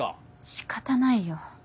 仕方ないよ。